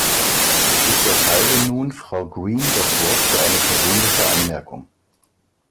Ich erteile nun Frau Green das Wort für eine persönliche Anmerkung.